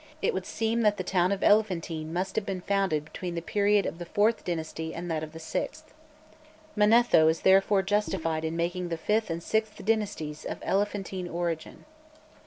it would seem that the town of Elephantine must have been founded between the period of the fourth dynasty and that of the sixth. Manetho is therefore justified in making the fifth and sixth dynasties of Elephantine origin.